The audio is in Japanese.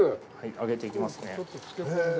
揚げていきますね。